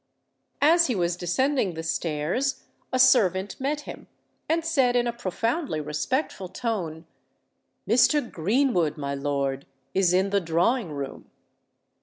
As he was descending the stairs, a servant met him, and said in a profoundly respectful tone, "Mr. Greenwood, my lord, is in the drawing room."